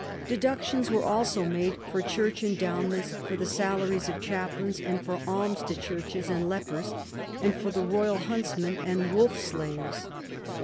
Deductions were also made for Church endowments, for the salaries of chaplains, and for alms to churches and lepers, and for the royal huntsmen and wolf slayers.